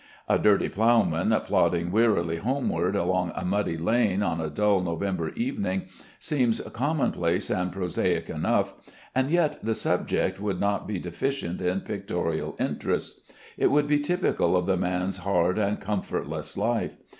A dirty ploughman plodding wearily homeward along a muddy lane on a dull November evening seems commonplace and prosaic enough, and yet the subject would not be deficient in pictorial interest. It would be typical of the man's hard and comfortless life.